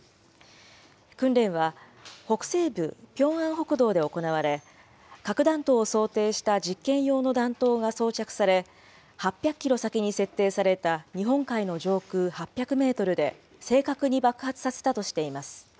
訓練は、北西部ピョンアン北道で行われ、核弾頭を想定した実験用の弾頭が装着され、８００キロ先に設定された日本海の上空８００メートルで正確に爆発させたとしています。